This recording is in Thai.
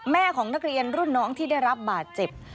ของนักเรียนรุ่นน้องที่ได้รับบาดเจ็บ